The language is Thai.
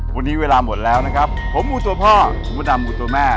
วันนี้เวลาหมดแล้วนะครับผมมูตัวพ่อคุณพระดำมูตัวแม่